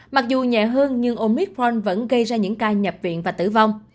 mặc dù nhẹ hơn nhưng omicron vẫn gây ra những ca nhập viện và tử vong